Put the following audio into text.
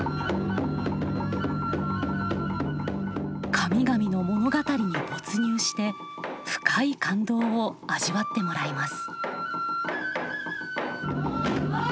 神々の物語に没入して深い感動を味わってもらいます。